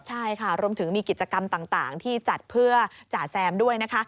ใช่ค่ะรวมถึงมีกิจกรรมต่างที่จัดเพื่อจ่าแซมด้วยนะคะ